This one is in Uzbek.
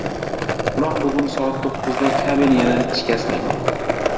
Biroq bugun soat to‘qqizda kabel yana shikastlangan.